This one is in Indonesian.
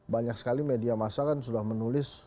banyak sekali media masa kan sudah menulis